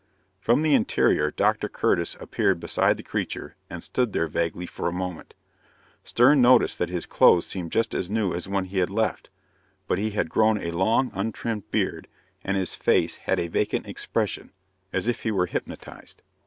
From the interior, Dr. Curtis appeared beside the creature and stood there vaguely for a moment. Stern noticed that his clothes seemed just as new as when he had left, but he had grown a long, untrimmed beard, and his face had a vacant expression, as if he were hypnotized.